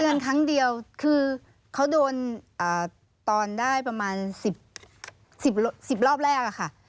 เดือนครั้งเดียวคือเขาโดนตอนได้ประมาณ๑๐รอบแรกอะค่ะ